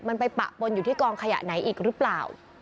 มันไปปะปนอยู่ที่กองขยะไหนอีกหรือเปล่า